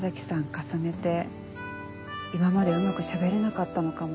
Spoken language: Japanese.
重ねて今までうまくしゃべれなかったのかも。